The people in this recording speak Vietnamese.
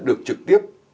được trực tiếp